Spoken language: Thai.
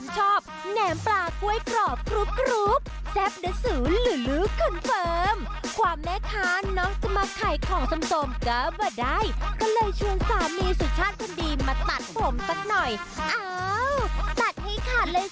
ส่วนสามีสุชาติคนดีมาตัดผมสักหน่อย